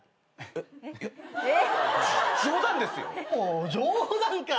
おお冗談か。